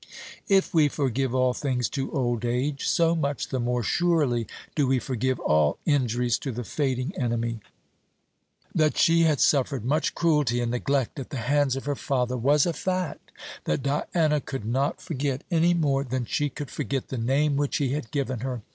If we forgive all things to old age, so much the more surely do we forgive all injuries to the fading enemy. That she had suffered much cruelty and neglect at the hands of her father, was a fact that Diana could not forget, any more than she could forget the name which he had given her.